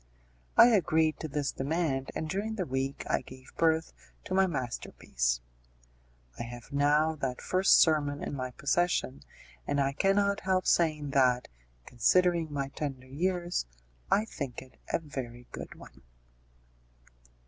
I agreed to this demand, and during the week I gave birth to my masterpiece. I have now that first sermon in my possession, and I cannot help saying that, considering my tender years, I think it a very good one.